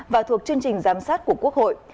và thuộc chương trình giám sát của quốc hội